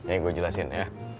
ini gue jelasin ya